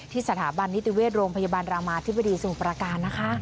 สถาบันนิติเวชโรงพยาบาลรามาธิบดีสมุทรประการนะคะ